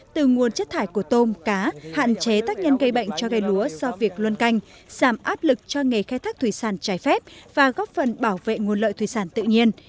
từ nguồn chất thải của tôm cá hạn chế tác nhân gây bệnh cho cây lúa do việc luân canh giảm áp lực cho nghề khai thác thủy sản trái phép và góp phần bảo vệ nguồn lợi thủy sản tự nhiên